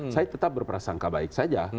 saya tetap berprasangka baik saja